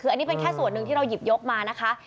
คืออันนี้เป็นแค่ส่วนหนึ่งที่เราหยิบยกมานะคะ